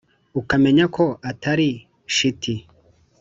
ukamenya ko atari shiti.